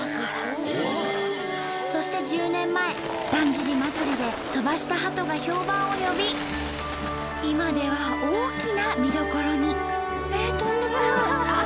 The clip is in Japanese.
そして１０年前だんじり祭で飛ばしたハトが評判を呼び今では大きな見どころに。